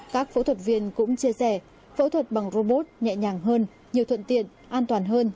các phẫu thuật viên cũng chia sẻ phẫu thuật bằng robot nhẹ nhàng hơn nhiều thuận tiện an toàn hơn